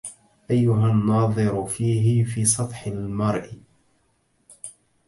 أيها الناظر فيه في سطح المرى